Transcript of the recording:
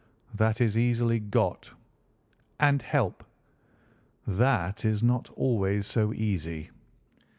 "That is easily got." "And help." "That is not always so easy."